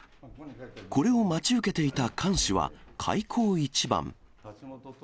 これを待ち受けていた菅氏は、開口一番。